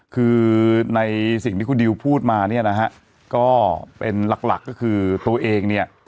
คือในสิ่งที่คุณดิวพูดมาเนี่ยนะฮะก็เป็นหลักก็คือตัวเองเนี่ย